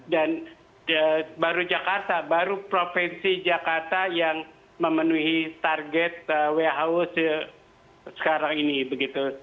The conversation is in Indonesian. baru jakarta baru provinsi jakarta yang memenuhi target who sekarang ini begitu